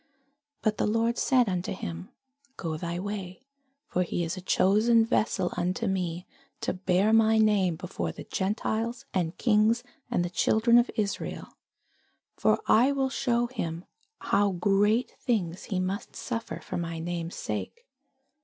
But the Lord said unto him, Go thy way: for he is a chosen vessel unto me, to bear my name before the Gentiles, and kings, and the children of Israel: for I will shew him how great things he must suffer for my name's sake.